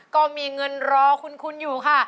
ก็มีเงินรอคุ้นอยู่ค่ะ